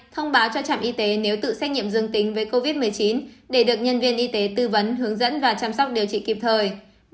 thông báo cho trạm y tế nếu tự xét nghiệm dương tính với covid một mươi chín để được nhân viên y tế tư vấn hướng dẫn và chăm sóc điều trị kịp thời